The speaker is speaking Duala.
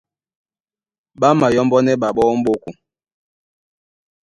Ɓá mayɔ́mbɔ́nɛ́ ɓaɓɔ́ ó m̀ɓóko.